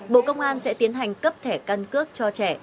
bộ công an sẽ tiến hành cấp thẻ căn cước cho trẻ